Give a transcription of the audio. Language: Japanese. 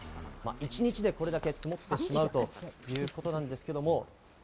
一日でこれだけ積もってしまうということなんですけれども。